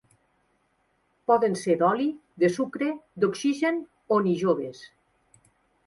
Poden ser d'oli, de sucre, d'oxigen o ni joves.